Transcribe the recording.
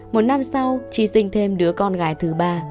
một năm sau chi sinh thêm đứa con gái thứ ba